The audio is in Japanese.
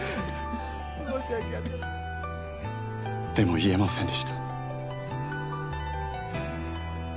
でも言えませんでした。